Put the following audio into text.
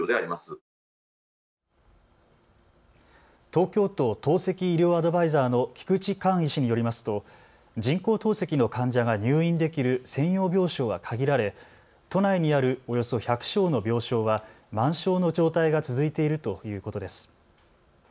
東京都透析医療アドバイザーの菊地勘医師によりますと人工透析の患者が入院できる専用病床は限られ、都内にあるおよそ１００床の病床は満床の状態が続いているということです。